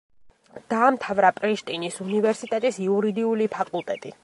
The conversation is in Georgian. დაამთავრა პრიშტინის უნივერსიტეტის იურიდიული ფაკულტეტი.